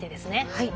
はい。